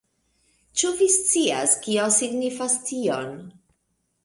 Ĉu vi scias kio signifas tion?